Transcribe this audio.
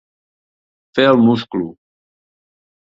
Fer el musclo.